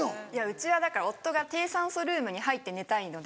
うちはだから夫が低酸素ルームに入って寝たいので。